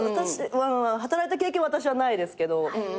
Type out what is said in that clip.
働いた経験私はないですけど。